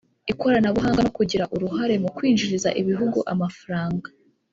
ikoranabuhanga no kugira uruhare mu kwinjriza ibihugu amafaranga